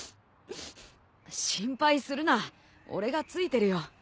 心配するな俺がついてるよ。